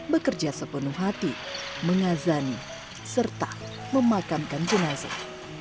bekerja sepenuh hati mengazani serta memakamkan jenazah